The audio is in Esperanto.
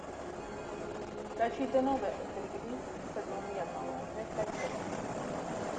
Kaj ŝi denove ekridis, sed nun jam mallonge kaj seke.